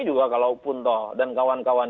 saya juga kalaupun toh dan kawan kawan